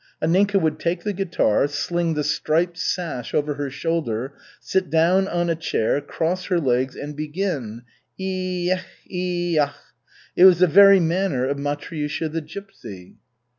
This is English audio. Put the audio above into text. Anninka would take the guitar, sling the striped sash over her shoulder, sit down on a chair, cross her legs and begin: "I ekh! I akh!" It was the very manner of Matryusha the gypsy.